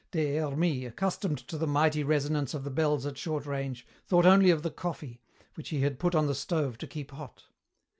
Des Hermies, accustomed to the mighty resonance of the bells at short range, thought only of the coffee, which he had put on the stove to keep hot.